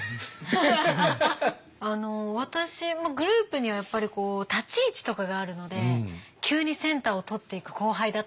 私グループにはやっぱり立ち位置とかがあるので急にセンターを取っていく後輩だったりとかいて。